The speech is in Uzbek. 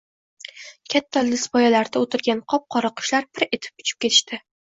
Katta ildizpoyalarda o`tirgan qop-qora qushlar pir etib uchib ketishdi